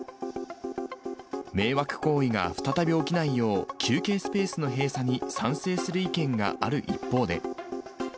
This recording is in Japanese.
迷惑行為が再び起きないよう、休憩スペースに閉鎖に賛成する意見がある一方で。